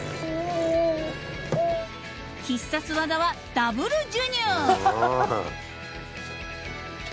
［必殺技はダブル授乳］